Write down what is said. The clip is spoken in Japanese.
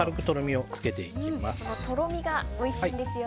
このとろみがおいしいんですね。